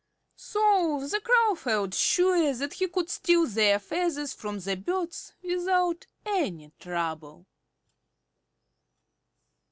So the Crow felt sure that he could steal their feathers from the birds without any trouble.